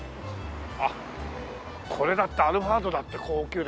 あっこれだってアルファードだって高級ですよ。